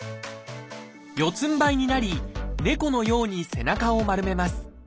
四つんばいになり猫のように背中を丸めます。